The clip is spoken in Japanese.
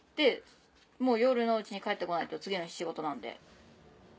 もう夜のうちに帰って来ないと次の日仕事なんで。